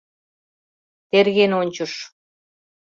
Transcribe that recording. Терген ончыш.